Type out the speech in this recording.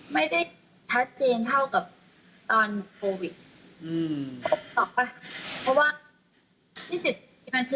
ไม่ได้ทัศน์เชียงเท่ากับตอนโควิด